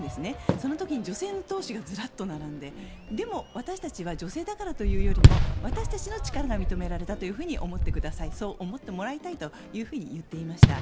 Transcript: その時に女性の党首がずらっと並んででも、私たちは女性だからというよりも私たちの力が認められたと思ってくださいそう思ってもらいたいと言っていました。